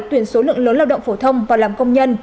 tuyển số lượng lớn lao động phổ thông và làm công nhân